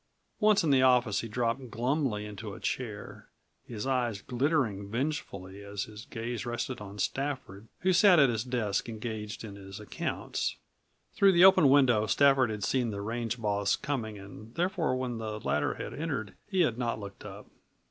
Once in the office he dropped glumly into a chair, his eyes glittering vengefully as his gaze rested on Stafford, who sat at his desk, engaged in his accounts. Through the open window Stafford had seen the range boss coming and therefore when the latter had entered he had not looked up.